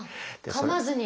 かまずに？